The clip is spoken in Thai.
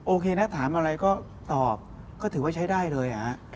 โอเคนะถามอะไรก็ตอบก็ถือว่าใช้ได้เลย